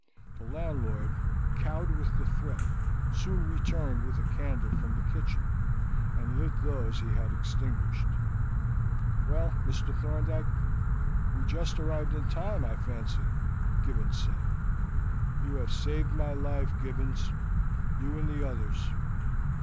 The landlord, cowed with the threat, soon returned with a candle from the kitchen, and lit those that he had extinguished. "Well, Mr. Thorndyke, we just arrived in time, I fancy," Gibbons said. "You have saved my life, Gibbons you and the others.